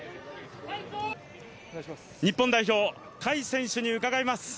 日本代表・甲斐選手に伺います。